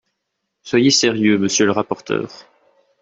Soyez sérieux, monsieur le rapporteur.